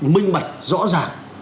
minh mạch rõ ràng